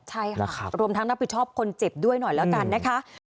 ใช่ค่ะรวมทั้งรับผิดชอบคนเจ็บด้วยหน่อยแล้วกันนะคะ